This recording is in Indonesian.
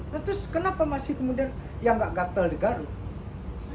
terus kenapa masih kemudian yang gak gatel gatel